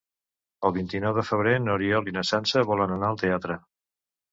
El vint-i-nou de febrer n'Oriol i na Sança volen anar al teatre.